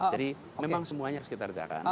jadi memang semuanya sekitar jarak